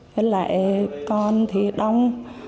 với lại con thì đông